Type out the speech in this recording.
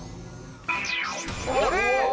あれ？